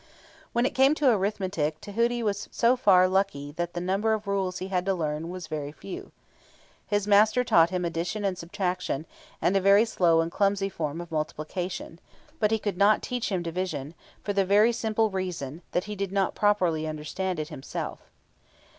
When it came to Arithmetic, Tahuti was so far lucky that the number of rules he had to learn was very few. His master taught him addition and subtraction, and a very slow and clumsy form of multiplication; but he could not teach him division, for the very simple reason that he did not properly understand it himself.